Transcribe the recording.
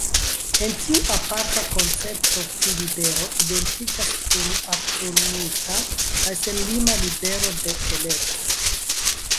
El tiu aparta koncepto pri libero identiĝas kun absoluta kaj senlima “libero de elekto”.